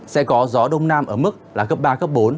sẽ có gió đông nam ở mức là cấp ba cấp bốn